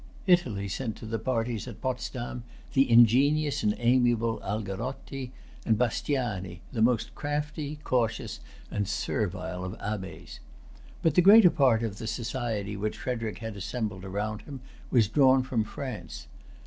Italy sent to the parties at Potsdam the ingenious and amiable Algarotti, and Bastiani, the most crafty, cautious, and servile of Abbés. But the greater part of the society which Frederic had assembled round him was drawn from France.